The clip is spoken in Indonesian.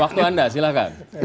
waktu anda silahkan